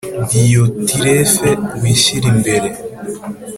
Diyotirefe wishyira imbere